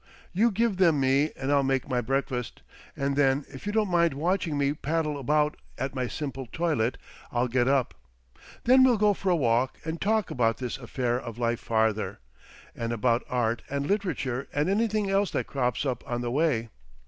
You give them me and I'll make my breakfast, and then if you don't mind watching me paddle about at my simple toilet I'll get up. Then we'll go for a walk and talk about this affair of life further. And about Art and Literature and anything else that crops up on the way....